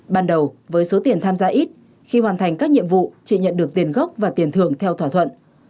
ban đầu với số tiền tham gia ít khi hoàn thành các nhiệm vụ chị nhận được tiền gốc và tiền thưởng theo thỏa thuận